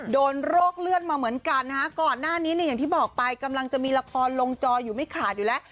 โรคเลือดมาเหมือนกันนะฮะก่อนหน้านี้เนี่ยอย่างที่บอกไปกำลังจะมีละครลงจออยู่ไม่ขาดอยู่แล้ว